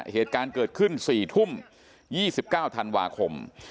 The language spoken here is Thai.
เหตุการณ์เกิดขึ้น๔ทุ่ม๒๙ธันวาคม